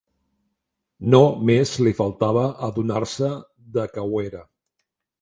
No més li faltava, adonar-se de que ho era